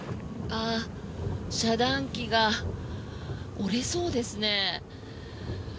遮断器が折れそうですね。